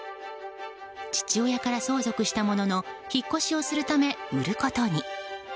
父親から相続したものの引っ越しをするため、売ることに。